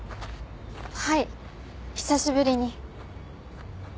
はい久しぶりに。